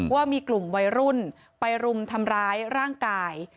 ว่ามีกลุ่มวัยรุ่นไปรุมทำร้ายร่างกาย